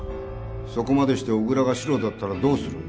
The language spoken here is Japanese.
そこまでして小倉がシロだったらどうする？